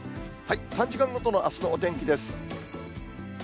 ３時間ごとのあすのお天気です。